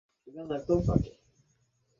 ভালো লাগছে না এখানে।